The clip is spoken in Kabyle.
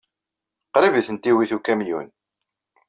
Qrib ay tent-iwit ukamyun.